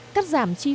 cắt giảm chi phí